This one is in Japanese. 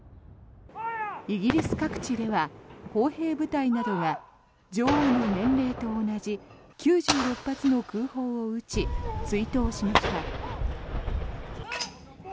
イギリス各地では砲兵部隊などが女王の年齢と同じ９６発の空砲を撃ち追悼しました。